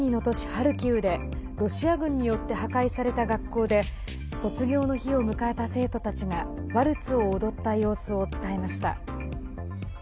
ハルキウでロシア軍によって破壊された学校で卒業の日を迎えた生徒たちがワルツを踊った様子を伝えました。